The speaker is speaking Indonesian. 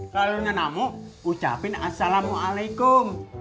kalau gak mau ucapin assalamualaikum